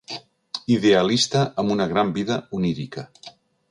Idealista amb una gran vida onírica.